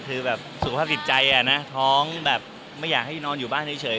คือแบบสุขภาพจิตใจนะท้องแบบไม่อยากให้นอนอยู่บ้านเฉย